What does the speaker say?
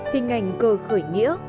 hình ảnh cờ khởi nghĩa